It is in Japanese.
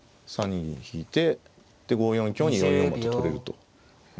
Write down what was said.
３二銀引いてで５四香に４四馬と取れると。